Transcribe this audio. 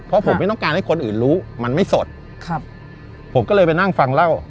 เพราะผมไม่ต้องการให้คนอื่นรู้มันไม่สดครับผมก็เลยไปนั่งฟังเล่า